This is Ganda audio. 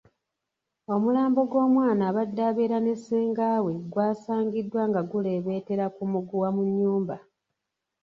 Omulambo gw'omwana abadde abeera ne ssenga we gwasangiddwa nga guleebeetera ku mugwa mu nnyumba.